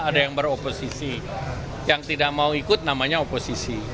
ada yang beroposisi yang tidak mau ikut namanya oposisi